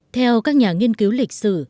theo các nhà nghiên cứu lịch sử